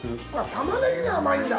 タマネギが甘いんだ。